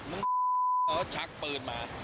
มึงอี้เขาก็ชักปืนมา